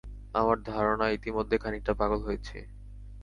আমার ধারণা, ইতোমধ্যে খানিকটা পাগল হয়েছি।